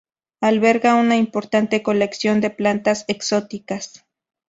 Alberga una importante colección de plantas exóticas.